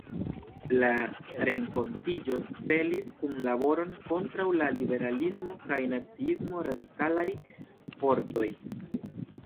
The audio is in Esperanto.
La renkontiĝo celis kunlaboron kontraŭ la liberalismo kaj naciismo, radikalaj fortoj.